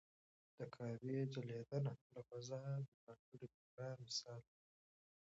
د کعبې ځلېدنه له فضا د ځانګړي ښکلا مثال دی.